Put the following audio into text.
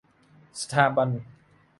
สถาบัน